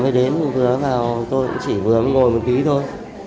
hai vợ chồng tôi vừa mới đến vừa vào tôi cũng chỉ vừa mới ngồi một tí thôi